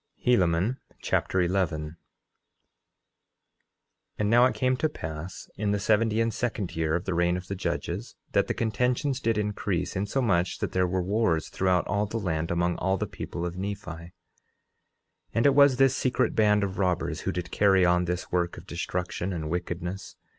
Helaman Chapter 11 11:1 And now it came to pass in the seventy and second year of the reign of the judges that the contentions did increase, insomuch that there were wars throughout all the land among all the people of Nephi. 11:2 And it was this secret band of robbers who did carry on this work of destruction and wickedness.